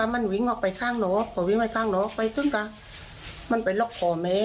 พอวิ่งไปบนเรือนตรงนั้นมันทักลงมาพอดี